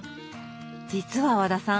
実は和田さん